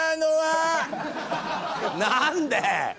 何で？